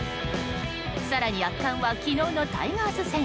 更に圧巻は昨日のタイガース戦。